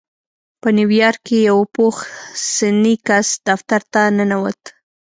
په نيويارک کې يو پوخ سنی کس دفتر ته ننوت.